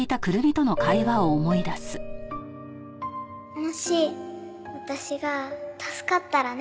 もし私が助かったらね。